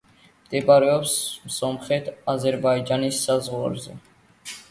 მდებარეობს სომხეთ-აზერბაიჯანის საზღვარზე.